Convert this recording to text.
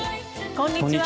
こんにちは。